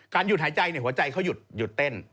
การหยุดหายใจเนี่ยหัวใจเขาหยุดเต้น